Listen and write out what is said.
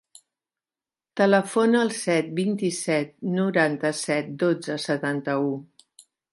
Telefona al set, vint-i-set, noranta-set, dotze, setanta-u.